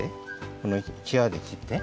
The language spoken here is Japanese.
このきわできって。